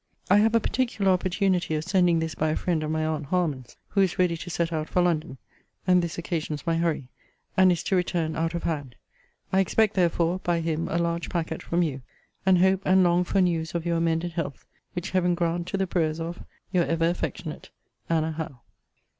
I have a particular opportunity of sending this by a friend of my aunt Harman's; who is ready to set out for London, (and this occasions my hurry,) and is to return out of hand. I expect therefore, by him a large packet from you; and hope and long for news of your amended health: which Heaven grant to the prayers of Your ever affectionate ANNA HOWE.